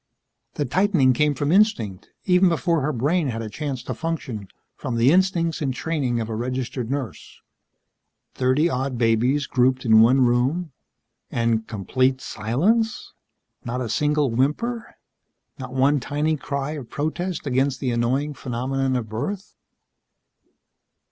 The tightening came from instinct, even before her brain had a chance to function, from the instincts and training of a registered nurse. Thirty odd babies grouped in one room and complete silence. Not a single whimper. Not one tiny cry of protest against the annoying phenomenon of birth.